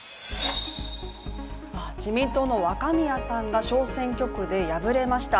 自民党の若宮さんが小選挙区で敗れました。